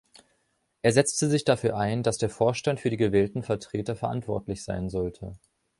Er setzte sich dafür ein, dass der Vorstand für die gewählten Vertreter verantwortlich sein sollte.